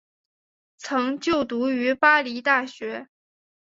曾就读于巴黎大学。